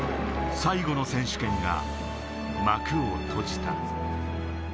最後の選手権が幕を閉じた。